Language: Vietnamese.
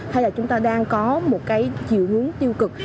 hay là chúng ta đang có một cái chiều hướng tiêu cực